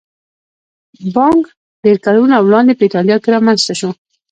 بانک ډېر کلونه وړاندې په ایټالیا کې رامنځته شو